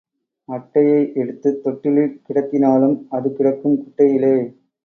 அட்டையை எடுத்துத் தொட்டிலில் கிடத்தினாலும் அது கிடக்கும் குட்டையிலே.